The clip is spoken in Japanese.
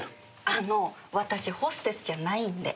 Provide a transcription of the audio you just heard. あの私ホステスじゃないんで。